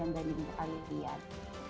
kemudian kita akan melakukan e ad